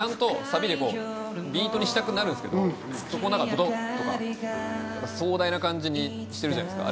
ちゃんとサビでビートにしたくなるんですけど、壮大な感じにしてるじゃないですか。